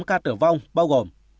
tám ca tử vong bao gồm